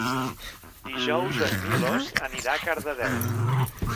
Dijous en Milos anirà a Cardedeu.